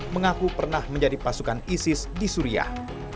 mengaku pernah menjadi pasukan isis di suriah